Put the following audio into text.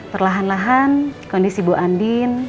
perlahan lahan kondisi bu andin